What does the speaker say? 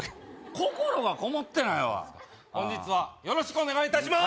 心がこもってないわ本日はよろしくお願いいたします